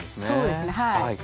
そうですねはい。